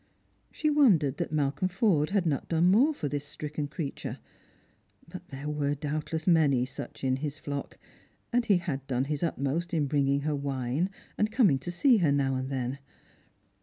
She wondered that Malcolm Forde had not done more for this stricken creature. But there were doubtless many such in his flock, and he had done his utmost in bringing her wine and coming to see her now and then.